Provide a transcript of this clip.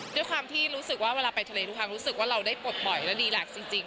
ด้วยความที่รู้สึกว่าเวลาไปทะเลด้วยความรู้สึกว่าเราได้ปลดปล่อยและดีหลักจริง